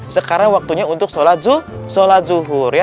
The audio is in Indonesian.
sekarang waktunya untuk sholat zuhur